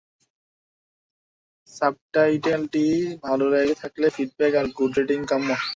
সাবটাইটেলটি ভালো লেগে থাকলে ফিডব্যাক আর গুড রেটিং কাম্য।